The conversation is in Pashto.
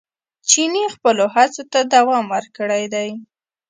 چیني خپلو هڅو ته دوام ورکړی دی.